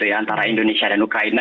antara indonesia dan ukraina